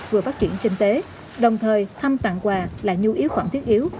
vừa phát triển kinh tế đồng thời thăm tặng quà là nhu yếu phẩm thiết yếu